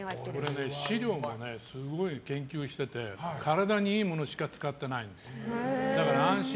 飼料もすごい研究していて体にいいものしか使ってないの。